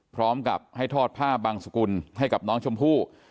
พร้อมกับให้ทอดผ้าบังสกุลให้กับน้องชมพู่